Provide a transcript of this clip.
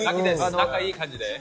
仲いい感じです。